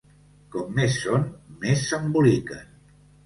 Com més són, més s'emboliquen.